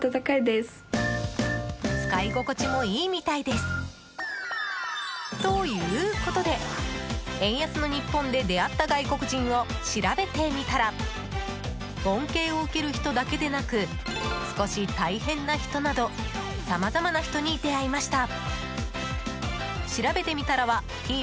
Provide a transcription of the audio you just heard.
使い心地もいいみたいです。ということで、円安の日本で出会った外国人を調べてみたら恩恵を受ける人だけでなく少し大変な人などさまざまな人に出会いました。